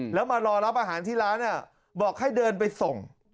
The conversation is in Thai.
แล้วมารอรับอาหารที่ร้านบอกให้เดินไปส่ง